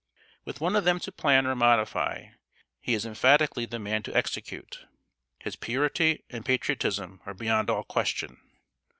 With one of them to plan or modify, he is emphatically the man to execute. His purity and patriotism are beyond all question.